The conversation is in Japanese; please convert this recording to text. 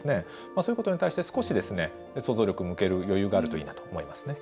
そういう方に少し、想像力を向ける余裕があるといいなと思います。